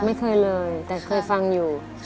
ไม่เคยเลยแต่เคยฟังอยู่